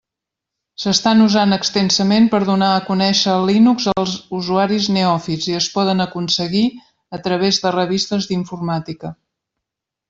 S'estan usant extensament per donar a conèixer el Linux als usuaris neòfits, i es poden aconseguir a través de revistes d'informàtica.